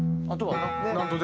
あとはな